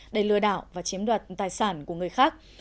để lừa đảo và chiếm đoạt tài sản của người khác